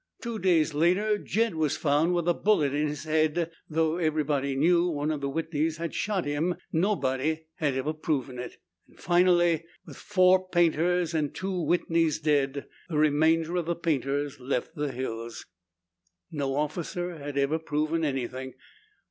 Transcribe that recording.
Two days later Jed was found with a bullet in his head and, though everybody knew one of the Whitneys had shot him, nobody had ever proven it. Finally, with four Paynters and two Whitneys dead, the remainder of the Paynters left the hills. No officer had ever proven anything.